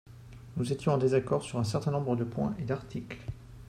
Nous étions en désaccord sur un certain nombre de points et d’articles.